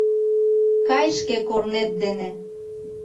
Кай шке корнет дене...